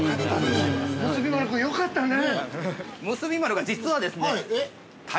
◆むすび丸君、よかったね！